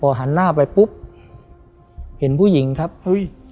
หันหน้าไปปุ๊บเห็นผู้หญิงครับเฮ้ย